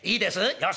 よし。